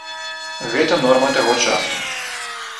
Гэта норма таго часу.